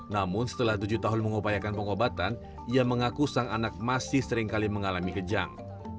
namun setelah tujuh tahun mengupayakan pengobatan ia mengaku sang anak masih seringkali mengalami kejang